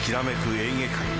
エーゲ海。